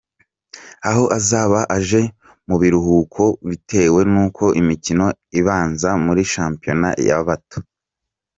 aho azaba aje mu biruhuko bitewe n'uko imikino ibanza muri shampiyona y’abato